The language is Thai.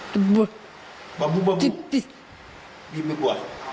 ยิ่มให้ปั่วปั่ว